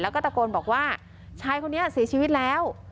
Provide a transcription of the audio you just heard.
แล้วก็ตะโกนบอกว่าชายคนนี้เสียชีวิตแล้ว